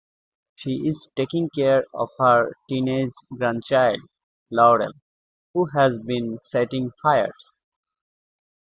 She is taking care of her teenage grandchild, Laurel, who has been setting fires.